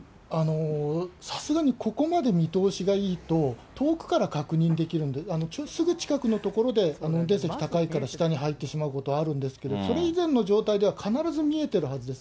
さすがにここまで見通しがいいと、遠くから確認できるんで、すぐ近くの所で運転席高いから、下に入ってしまうことはあるんですけれども、それ以前の状態では必ず見えてるはずです。